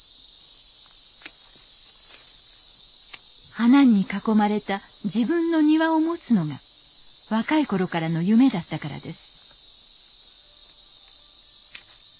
花に囲まれた自分の庭を持つのが若い頃からの夢だったからです